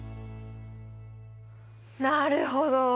なるほど！